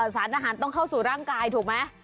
สารอาหารต้องเข้าสู่ร่างกายถูกไหม